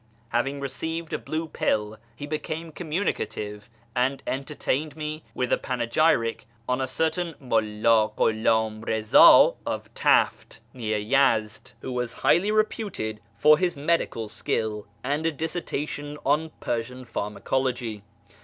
Having received a blue pill, he became communicative, and entertained me with a panegyric on a certain Mulla Ghulam Eiza of Taft (near Yezd), who was highly reputed for his medical skill, and a dissertation on Persian pharmacology.